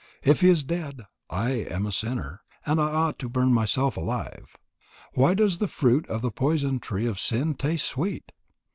If he is dead, I am a sinner, and ought to burn myself alive. Why does the fruit of the poison tree of sin taste sweet?"